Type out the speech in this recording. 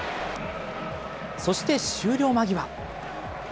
そして終了間際。